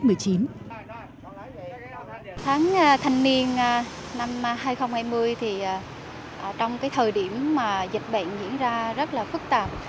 tháng thanh niên năm hai nghìn hai mươi thì trong cái thời điểm mà dịch bệnh diễn ra rất là phức tạp